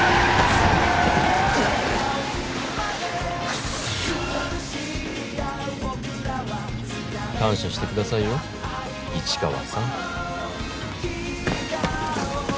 クソッ！感謝してくださいよ市川さん。